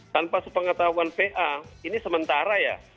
tanpa sepengetahuan pa ini sementara ya